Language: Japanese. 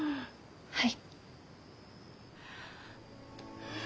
はい。